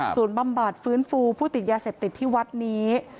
บำบัดฟื้นฟูผู้ติดยาเสพติดที่วัดนี้